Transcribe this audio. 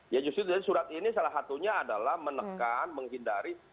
ya justru surat ini salah satunya adalah menekan menghindari